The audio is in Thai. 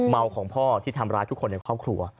เมาของพ่อที่ทำร้ายทุกคนในครอบครัว